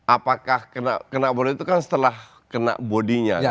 apakah kena bodi itu kan setelah kena bodinya